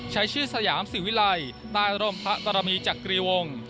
ใช้ชื่อสยามสิวิลัยใต้ร่มพระกรมีจักรีวงศ์